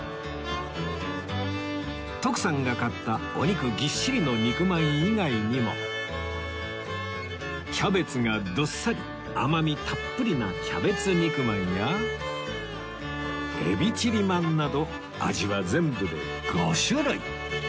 徳さんが買ったお肉ぎっしりの肉まん以外にもキャベツがどっさり甘みたっぷりなキャベツ肉まんやエビチリまんなど味は全部で５種類